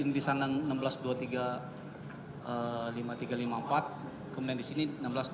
kemudian disini enam belas dua puluh empat enam belas